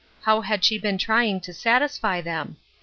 How had she been trying to satisfy them